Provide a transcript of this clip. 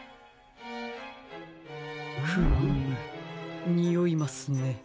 フームにおいますね。